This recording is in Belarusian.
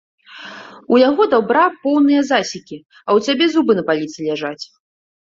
У яго дабра поўны засекі, а ў цябе зубы на паліцы ляжаць.